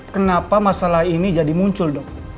kenapa masalah ini jadi muncul dok